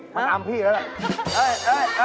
ถ้าตามพี่แล้วเเหละ